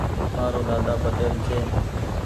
مآرو ۮاۮا پٽيل ڇي۔